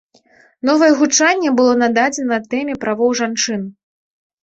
Новае гучанне было нададзена тэме правоў жанчын.